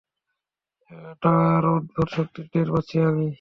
ওটার অদ্ভুত শক্তি টের পাচ্ছি আমি।